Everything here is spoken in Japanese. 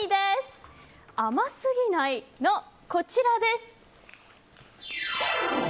甘すぎないの、こちらです。